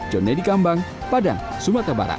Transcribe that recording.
jon nedy kambang padang sumatera barat